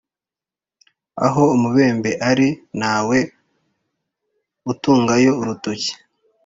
Aho umubembe ali ntawe utungayo urutoki.